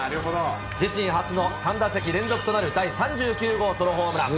自身初の３打席連続となる第３９号ソロホームラン。